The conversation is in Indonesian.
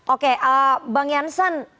oke bang jansan